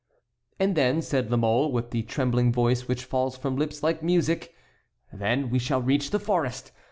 "And then," said La Mole, with the trembling voice which falls from lips like music, "then we shall reach the forest.